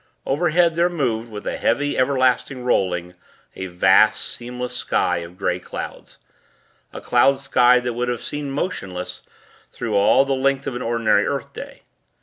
Overhead, there moved, with a heavy, everlasting rolling, a vast, seamless sky of grey clouds a cloud sky that would have seemed motionless, through all the length of an ordinary earth day.